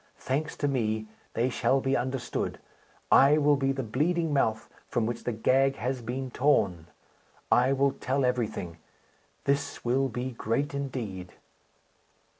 Thanks to me, they shall be understood. I will be the bleeding mouth from which the gag has been torn. I will tell everything. This will be great indeed."